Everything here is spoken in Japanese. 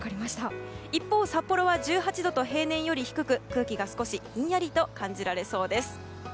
一方、札幌は１８度と平年より低く、空気が少しひんやり感じられそうです。